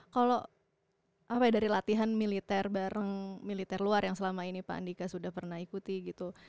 kalau apa ya dari latihan militer bareng militer luar yang selama ini pak andika sudah pernah ikuti gitu